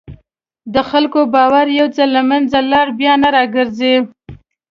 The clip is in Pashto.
د خلکو باور یو ځل له منځه لاړ، بیا نه راګرځي.